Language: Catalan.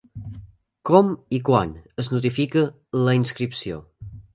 Com i quan es notifica la inscripció?